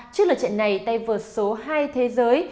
trước lượt trận này tay vượt số hai thế giới